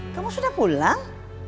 kamu sudah pulang